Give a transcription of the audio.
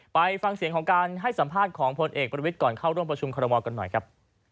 ไปฟังเสียงของการให้สัมภาษณ์ของพลเอกประวิทย์ก่อนเข้าร่วมประชุมคอรมอลกันหน่อยครับ